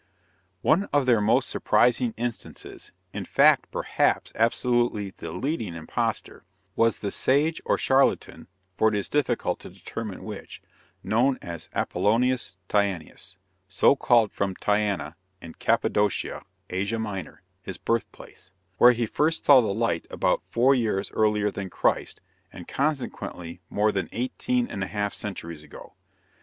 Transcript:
One of their most surprising instances in fact, perhaps, absolutely the leading impostor was the sage or charlatan (for it is difficult to determine which) known as Apollonius Tyanæus so called from Tyana, in Cappadocia, Asia Minor, his birthplace, where he first saw the light about four years earlier than Christ, and consequently more than eighteen and a half centuries ago.